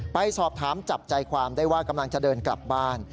ไปสอบถามจับใจความได้ว่ากำลังจะเดินกลับบ้าน